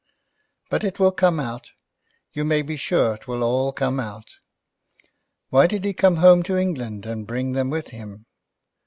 But it will come out. You may be sure it will all come out. Why did he come home to England and bring them with him?